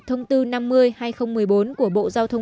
thông tư năm mươi hai nghìn một mươi bốn của bộ giao thông